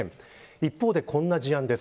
一方で、こんな事案です。